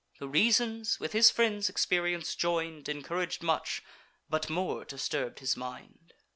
The reasons, with his friend's experience join'd, Encourag'd much, but more disturb'd his mind.